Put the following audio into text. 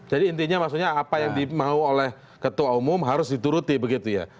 jadi intinya maksudnya apa yang dimau oleh ketua umum harus dituruti begitu ya